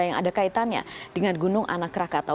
yang ada kaitannya dengan gunung anak rakatau